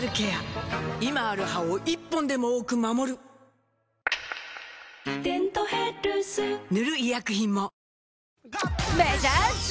今ある歯を１本でも多く守る「デントヘルス」塗る医薬品も